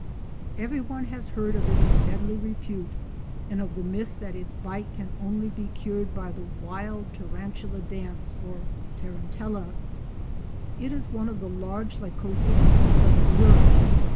Everyone has heard of its deadly repute, and of the myth that its bite can only be cured by the wild tarantula dance or tarantella. It is one of the large Lycosids of southern Europe.